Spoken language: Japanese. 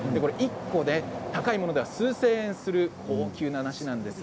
１個で高いものだと数千円する高級な梨なんです。